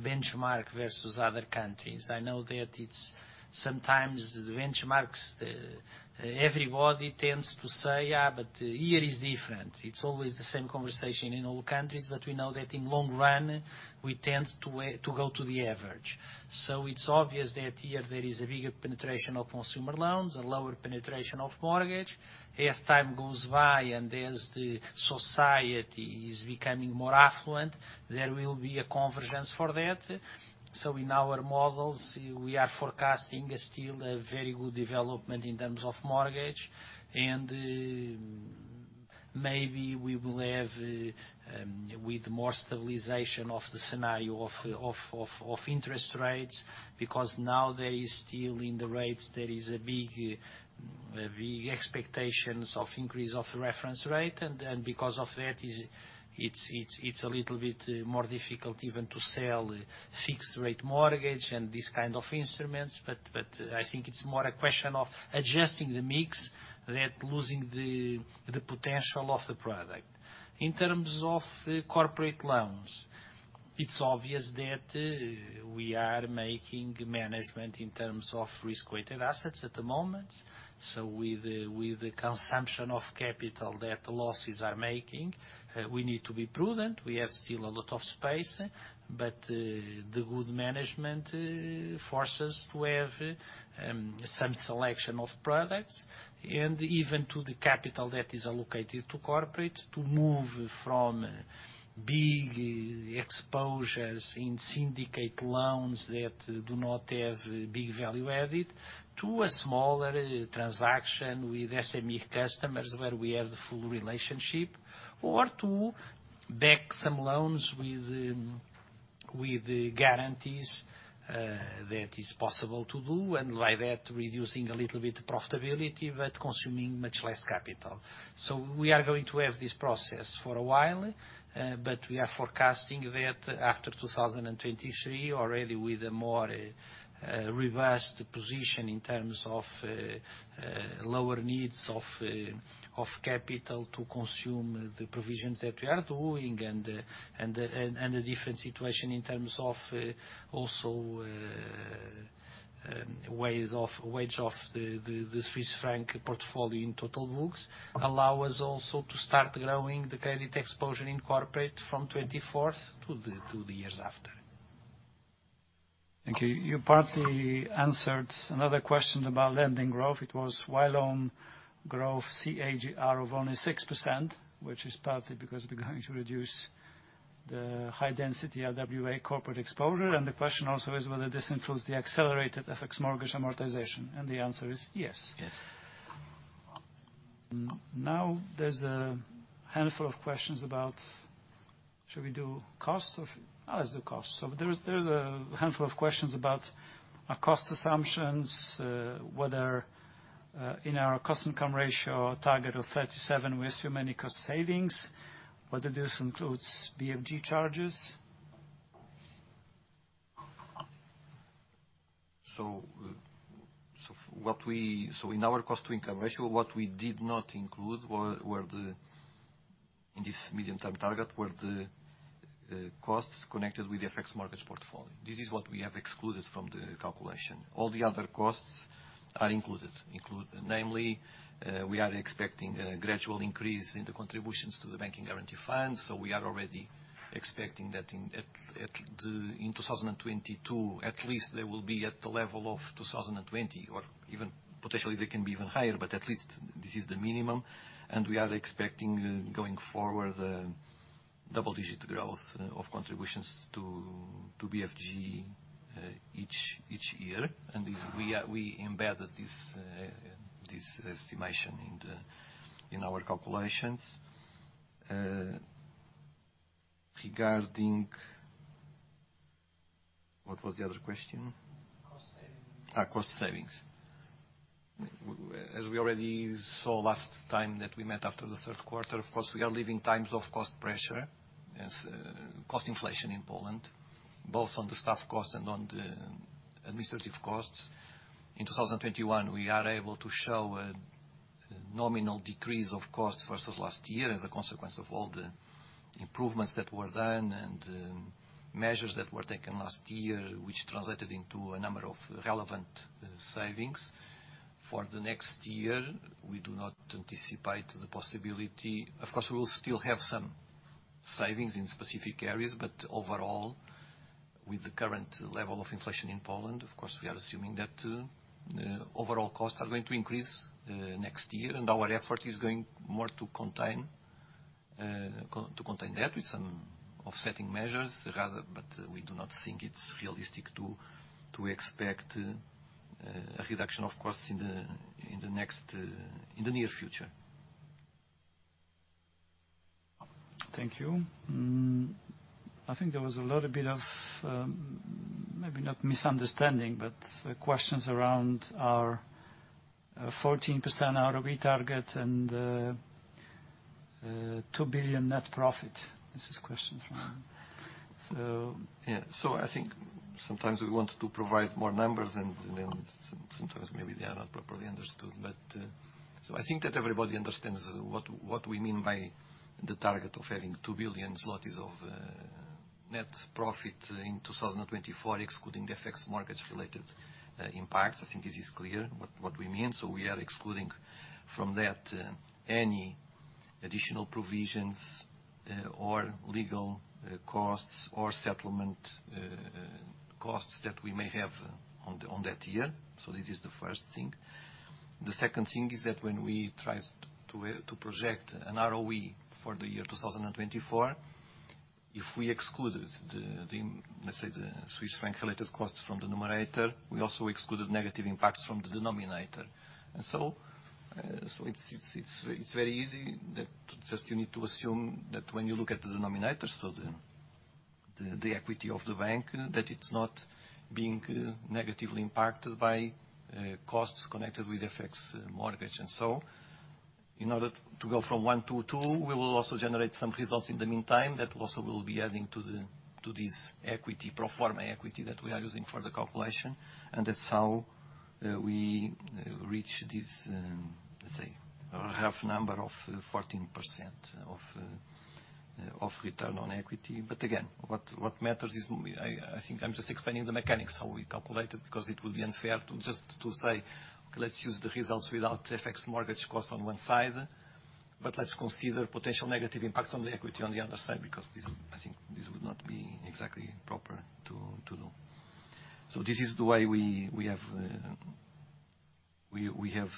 benchmark versus other countries. I know that it's sometimes the benchmarks, everybody tends to say, "Yeah, but here is different." It's always the same conversation in all countries. We know that in long run, we tend to go to the average. It's obvious that here there is a bigger penetration of consumer loans and lower penetration of mortgage. As time goes by and as the society is becoming more affluent, there will be a convergence for that. In our models, we are forecasting still a very good development in terms of mortgage. Maybe we will have with more stabilization of the scenario of interest rates, because now there is still in the rates, there is a big expectations of increase of reference rate. Because of that, it's a little bit more difficult even to sell fixed rate mortgage and these kind of instruments. I think it's more a question of adjusting the mix than losing the potential of the product. In terms of corporate loans, it's obvious that we are making management in terms of risk-weighted assets at the moment. With the consumption of capital that loans are making, we need to be prudent. We have still a lot of space, but the good management forces to have some selection of products, and even to the capital that is allocated to corporate to move from big exposures in syndicate loans that do not have big value added to a smaller transaction with SME customers where we have the full relationship, or to back some loans with guarantees that is possible to do, and by that, reducing a little bit profitability but consuming much less capital. We are going to have this process for a while, but we are forecasting that after 2023, already with a more reversed position in terms of lower needs of capital to consume the provisions that we are doing and a different situation in terms of also weight of the Swiss franc portfolio in total books allow us also to start growing the credit exposure in corporate from 2024 to the years after. Thank you. You partly answered another question about lending growth. It was while loan growth CAGR of only 6%, which is partly because we're going to reduce the high density RWA corporate exposure. The question also is whether this includes the accelerated FX mortgage amortization. The answer is yes. Yes. There's a handful of questions about our cost assumptions, whether in our cost-to-income ratio target of 37%, we assume any cost savings, whether this includes BFG charges. In our cost to income ratio, what we did not include were the costs connected with the FX mortgage portfolio in this medium-term target. This is what we have excluded from the calculation. All the other costs are included. Namely, we are expecting a gradual increase in the contributions to the Bank Guarantee Fund. We are already expecting that in 2022, at least they will be at the level of 2020, or even potentially they can be even higher, but at least this is the minimum. We are expecting going forward double-digit growth of contributions to BFG each year. We embedded this estimation in our calculations. Regarding What was the other question? Cost savings. Cost savings. We, as we already saw last time that we met after the third quarter, of course, we are living times of cost pressure as cost inflation in Poland, both on the staff costs and on the administrative costs. In 2021, we are able to show a nominal decrease of costs versus last year as a consequence of all the improvements that were done and measures that were taken last year, which translated into a number of relevant savings. For the next year, we do not anticipate the possibility. Of course, we will still have some savings in specific areas, but overall, with the current level of inflation in Poland, of course, we are assuming that overall costs are going to increase next year, and our effort is going more to contain that with some offsetting measures rather. We do not think it's realistic to expect a reduction of costs in the near future. Thank you. I think there was a little bit of, maybe not misunderstanding, but questions around our 14% ROE target and 2 billion net profit. This is question from so... I think sometimes we want to provide more numbers and then sometimes maybe they are not properly understood. I think that everybody understands what we mean by the target of having 2 billion zlotys of net profit in 2024, excluding the FX mortgage related impacts. I think this is clear what we mean. We are excluding from that any additional provisions or legal costs or settlement costs that we may have on that year. This is the first thing. The second thing is that when we try to project an ROE for the year 2024, if we excluded the, let's say, the Swiss franc related costs from the numerator, we also excluded negative impacts from the denominator. It's very easy that just you need to assume that when you look at the denominator, so the equity of the bank, that it's not being negatively impacted by costs connected with FX mortgage. In order to go from 1 to 2, we will also generate some results in the meantime that also we'll be adding to this equity, pro forma equity that we are using for the calculation, and that's how we reach this, let's say, round half number of 14% of return on equity. But again, what matters is we. I think I'm just explaining the mechanics, how we calculate it, because it will be unfair to just say, "Let's use the results without FX mortgage costs on one side, but let's consider potential negative impacts on the equity on the other side," because this would, I think, not be exactly proper to know. So this is the way we have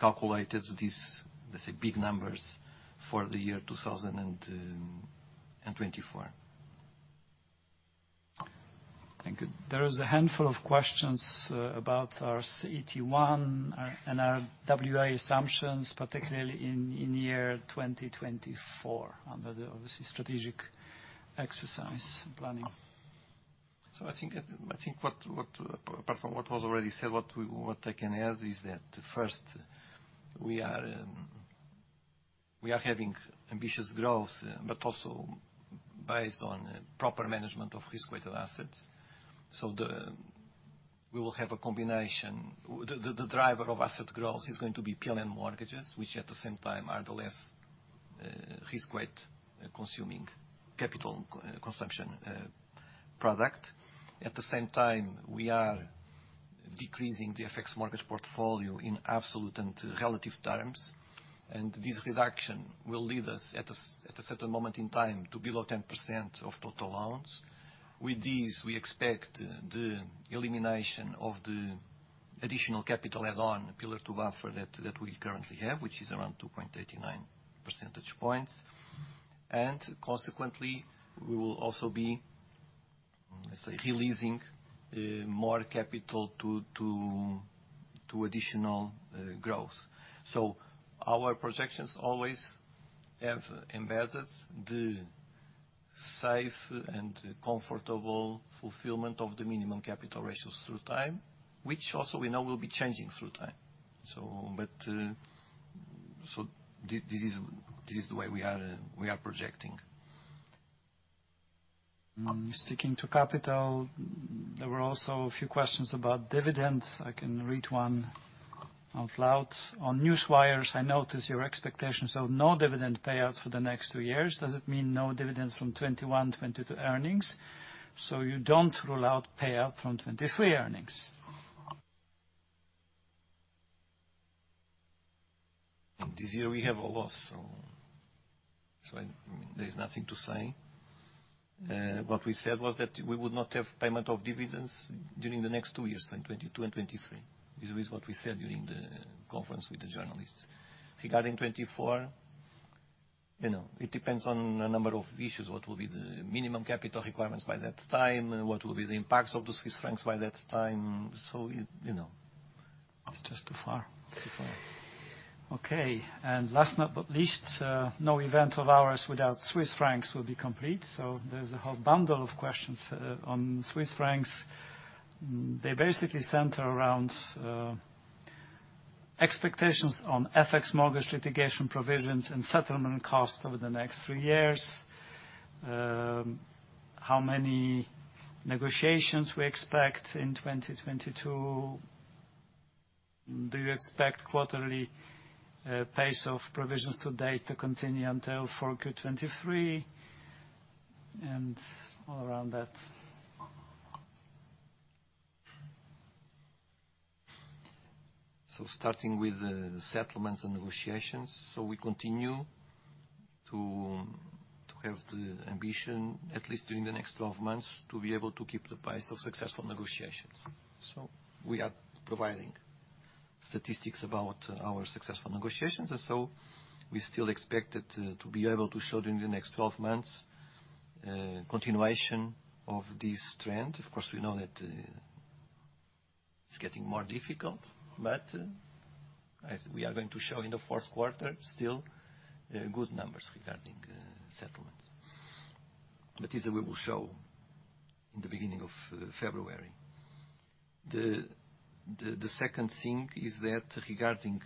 calculated these, let's say, big numbers for the year 2024. Thank you. There is a handful of questions about our CET1 and our RWA assumptions, particularly in 2024 under the obviously strategic exercise planning. I think what, apart from what was already said, what I can add is that first we are having ambitious growth, but also based on proper management of risk-weighted assets. We will have a combination. The driver of asset growth is going to be PLN mortgages, which at the same time are the less risk-weight-consuming capital-consuming product. At the same time, we are decreasing the FX mortgage portfolio in absolute and relative terms, and this reduction will lead us at a certain moment in time to below 10% of total loans. With this, we expect the elimination of the additional capital add-on Pillar 2 buffer that we currently have, which is around 2.89 percentage points. Consequently, we will also be, let's say, releasing more capital to additional growth. Our projections always have embedded the safe and comfortable fulfillment of the minimum capital ratios through time, which also we know will be changing through time. This is the way we are projecting. Sticking to capital, there were also a few questions about dividends. I can read one out loud. On newswires, I notice your expectations of no dividend payouts for the next 2 years. Does it mean no dividends from 2021, 2022 earnings? You don't rule out payout from 2023 earnings. This year we have a loss, so there is nothing to say. What we said was that we would not have payment of dividends during the next two years, in 2022 and 2023. This is what we said during the conference with the journalists. Regarding 2024, you know, it depends on a number of issues, what will be the minimum capital requirements by that time, and what will be the impacts of the Swiss francs by that time. It, you know, it's just too far. It's too far. Okay. Last but not least, no event of ours without Swiss francs will be complete, so there's a whole bundle of questions on Swiss francs. They basically center around expectations on FX mortgage litigation provisions and settlement costs over the next three years, how many negotiations we expect in 2022. Do you expect quarterly pace of provisions to date to continue until 4Q 2023? All around that. Starting with the settlements and negotiations. We continue to have the ambition, at least during the next 12 months, to be able to keep the pace of successful negotiations. We are providing statistics about our successful negotiations. We still expect it to be able to show during the next 12 months continuation of this trend. Of course, we know that it's getting more difficult, but as we are going to show in the fourth quarter, still good numbers regarding settlements. But this we will show in the beginning of February. The second thing is that regarding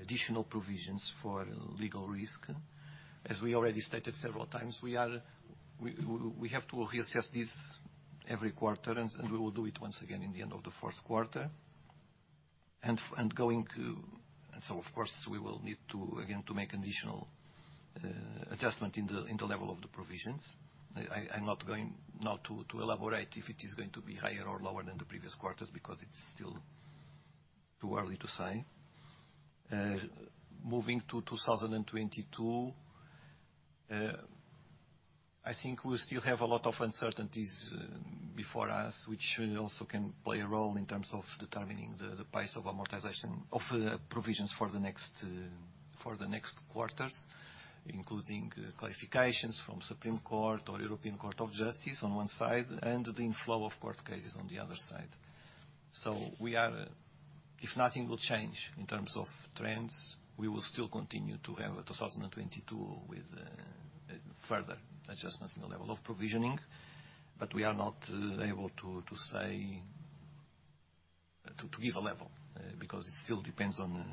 additional provisions for legal risk, as we already stated several times, we have to reassess this every quarter and we will do it once again in the end of the fourth quarter. Of course, we will need to again make additional adjustment in the level of the provisions. I'm not going now to elaborate if it is going to be higher or lower than the previous quarters because it's still too early to say. Moving to 2022, I think we still have a lot of uncertainties before us, which also can play a role in terms of determining the pace of amortization of provisions for the next quarters, including classifications from Supreme Court or European Court of Justice on one side and the inflow of court cases on the other side. We are, if nothing will change in terms of trends, we will still continue to have a 2022 with further adjustments in the level of provisioning, but we are not able to say to give a level, because it still depends on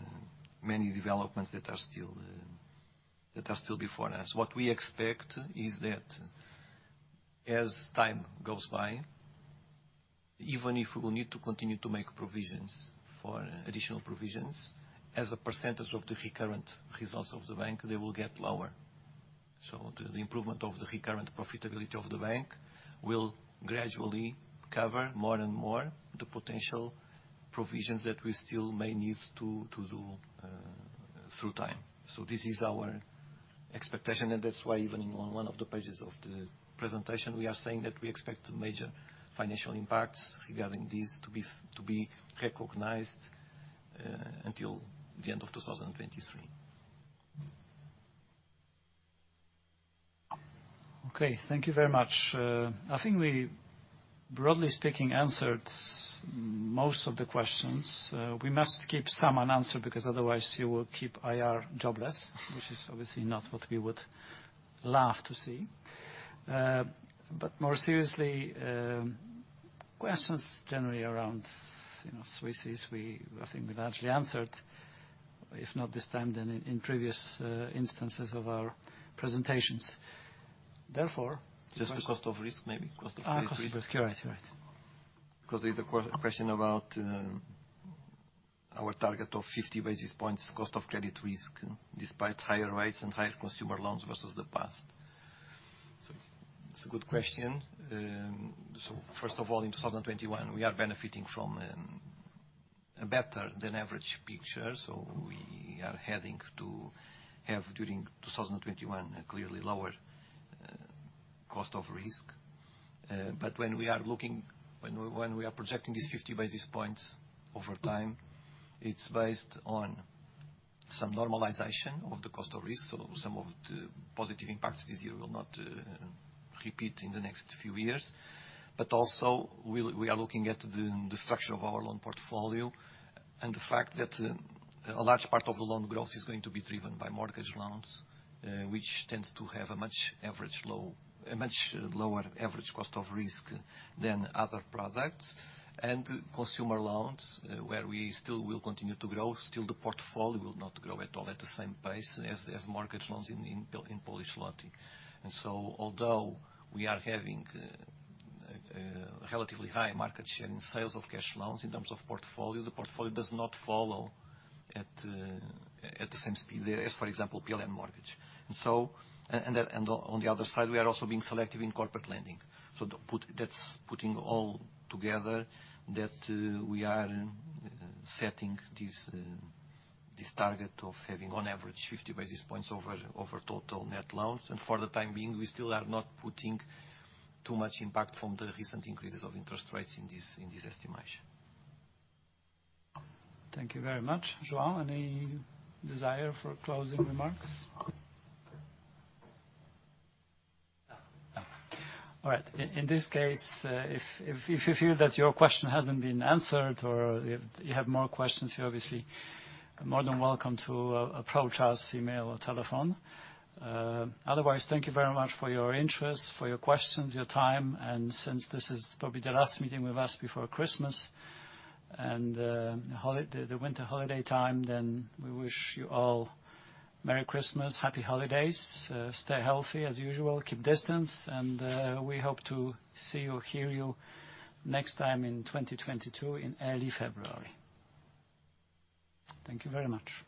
many developments that are before us. What we expect is that as time goes by, even if we will need to continue to make provisions for additional provisions, as a percentage of the recurrent results of the bank, they will get lower. The improvement of the recurrent profitability of the bank will gradually cover more and more the potential provisions that we still may need to do through time. This is our expectation, and that's why even on one of the pages of the presentation, we are saying that we expect major financial impacts regarding these to be recognized until the end of 2023. Okay, thank you very much. I think we, broadly speaking, answered most of the questions. We must keep some unanswered because otherwise you will keep IR jobless, which is obviously not what we would love to see. More seriously, questions generally around, you know, Swissies, we, I think we've actually answered, if not this time, then in previous instances of our presentations. Therefore Just the cost of risk maybe. Cost of credit risk. Cost of risk. Right. Because there's a question about our target of 50 basis points cost of credit risk despite higher rates and higher consumer loans versus the past. It's a good question. First of all, in 2021, we are benefiting from a better than average picture. We have had, during 2021, a clearly lower cost of risk. But when we are looking, when we are projecting this 50 basis points over time, it's based on some normalization of the cost of risk. Some of the positive impacts this year will not repeat in the next few years. We are looking at the structure of our loan portfolio and the fact that a large part of the loan growth is going to be driven by mortgage loans, which tends to have a much lower average cost of risk than other products. Consumer loans, where we still will continue to grow, the portfolio will not grow at all at the same pace as mortgage loans in PLN. Although we are having a relatively high market share in sales of cash loans in terms of portfolio, the portfolio does not follow at the same speed as, for example, PLN mortgage. On the other side, we are also being selective in corporate lending. Putting all together, that we are setting this target of having on average 50 basis points over total net loans. For the time being, we still are not putting too much impact from the recent increases of interest rates in this estimation. Thank you very much. João, any desire for closing remarks? All right. In this case, if you feel that your question hasn't been answered or if you have more questions, you're obviously more than welcome to approach us, email or telephone. Otherwise, thank you very much for your interest, for your questions, your time. Since this is probably the last meeting with us before Christmas and the winter holiday time, then we wish you all Merry Christmas, Happy Holidays. Stay healthy as usual, keep distance, and we hope to see you or hear you next time in 2022 in early February. Thank you very much.